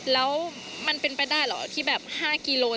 แล้วมันเป็นไปได้เหรอที่แบบ๕กิโล